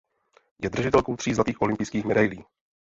Je držitelkou tří zlatých olympijských medailí.